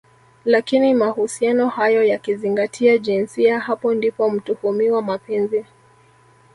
lakini mahusiano hayo yakizingatia jinsia hapo ndipo mtuhumiwa Mapenzi